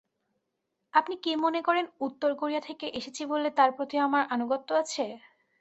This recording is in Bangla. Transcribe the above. আপনি কি মনে করেন উত্তর কোরিয়া থেকে এসেছি বলে তার প্রতি আমার আনুগত্য আছে?